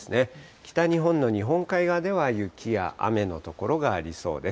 北日本の日本海側では雪や雨の所がありそうです。